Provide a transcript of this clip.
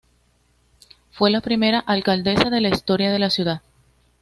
Fue la primera alcaldesa de la historia de la ciudad.